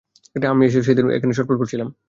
আমি এসেছিলাম সেদিন, এখানে ছটফট করছিলাম।